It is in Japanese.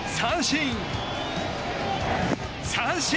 三振。